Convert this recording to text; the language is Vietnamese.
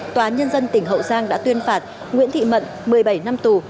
tòa nhân dân tỉnh hậu giang đã tuyên phạt nguyễn thị mận một mươi bảy năm tù